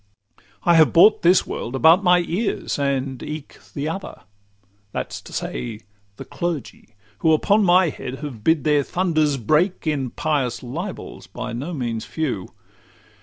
I have brought this world about my ears, and eke The other; that 's to say, the clergy, who Upon my head have bid their thunders break In pious libels by no means a few.